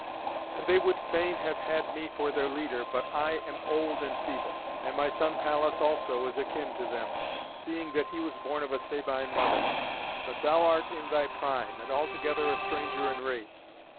And they would fain have had me for their leader, but I am old and feeble. And my son Pallas also is akin to them, seeing that he was born of a Sabine mother. But thou art in thy prime, and altogether a stranger in race.